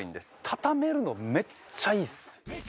畳めるのめっちゃいいです。